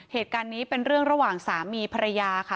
เหตุการณ์นี้เป็นเรื่องระหว่างสามีภรรยาค่ะ